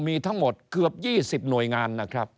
มีทั้งหมดเกือบ๒๐หน่วยงานนะครับ